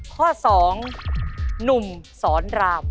ข้อ๒หนุ่มสอนราม